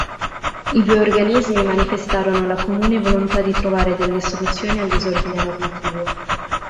I due organismi manifestarono la comune volontà di trovare delle soluzioni al disordine normativo.